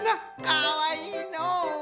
かわいいのう！